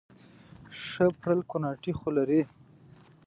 ښه پرل کوناټي خو لري